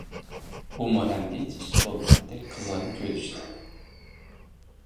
ئۇمۇ ھەم ھېچ ئىش بولمىغاندەك قىزغىن كۆرۈشتى.